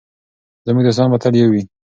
زموږ دوستان به تل یو وي.